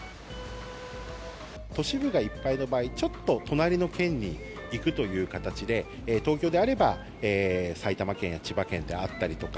都市部がいっぱいの場合、ちょっと隣の県に行くという形で、東京であれば埼玉県や千葉県であったりとか。